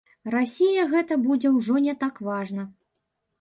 Расіі гэта будзе ўжо не так важна.